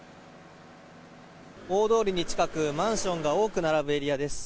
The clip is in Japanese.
大通りが近くマンションが多く並ぶエリアです。